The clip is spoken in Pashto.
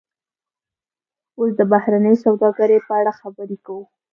اوس د بهرنۍ سوداګرۍ په اړه خبرې کوو